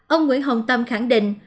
ông nguyễn hồng tâm khẳng định